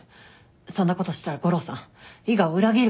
そんなことしたら悟郎さん伊賀を裏切ることになる。